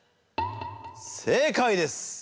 正解です！